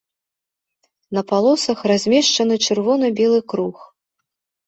На палосах размешчаны чырвона-белы круг.